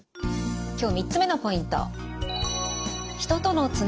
今日３つ目のポイント。